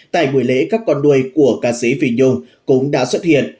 tại buổi lễ các con nuôi của ca sĩ phi nhung cũng đã xuất hiện